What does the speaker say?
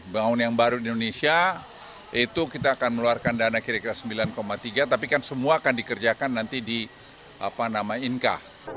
bangun yang baru di indonesia itu kita akan meluarkan dana kira kira sembilan tiga tapi kan semua akan dikerjakan nanti di inka